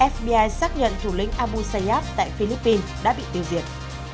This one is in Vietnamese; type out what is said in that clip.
fbi xác nhận thủ lĩnh abu sayyaf tại philippines đã bị tiêu diệt